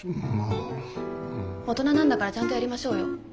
大人なんだからちゃんとやりましょうよ。